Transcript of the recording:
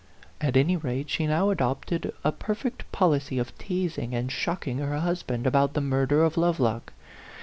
At any rate, she now adopted a perfect pol A PHANTOM LOVER. 99 icy of teasing and shocking her husband about the murder of Lovelock.